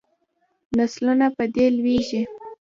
نسلونه په دې لویږي.